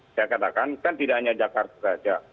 saya katakan kan tidak hanya jakarta saja